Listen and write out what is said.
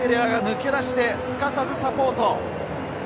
マーク・テレアが抜け出して、すかさずサポート！